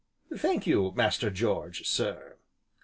"Thank you, Master George, sir."